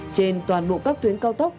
trên toàn bộ các tuyến cao tốc